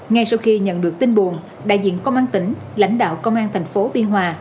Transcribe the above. ngay sau khi nhận được tin buồn đại diện công an tỉnh lãnh đạo công an thành phố biên hòa